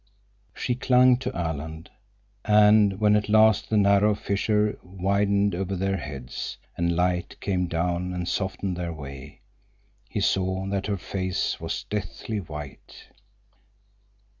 She clung to Alan, and when at last the narrow fissure widened over their heads, and light came down and softened their way, he saw that her face was deathly white.